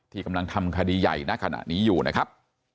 กำลังทำคดีใหญ่ณขณะนี้อยู่นะครับ